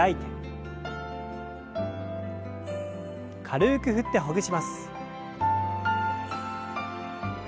軽く振ってほぐします。